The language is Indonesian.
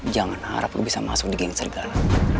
jangan harap lo bisa masuk di geng serigala